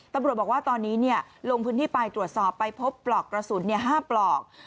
ตำรวจบอกว่าตอนนี้ลงพื้นที่ไปตรวจสอบไปพบปลอกกระสุน๕ปลอก